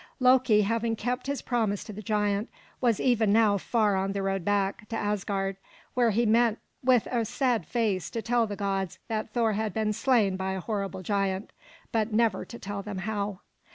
Loki, having kept his promise to the giant, was even now far on the road back to Asgard, where he meant with a sad face to tell the gods that Thor had been slain by a horrible giant; but never to tell them how.